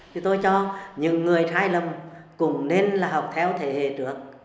thì tôi cho những người trái lầm cũng nên là học theo thể hệ trước